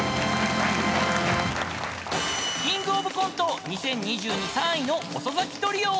［キングオブコント２０２２３位の遅咲きトリオ］